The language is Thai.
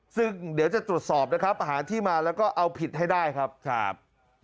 ซึ่งเดี๋ยวจะตรวจสอบนะครับหาที่มาแล้วก็เอาผิดให้ได้ครับครับ